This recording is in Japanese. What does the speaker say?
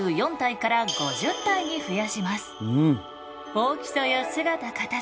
大きさや姿形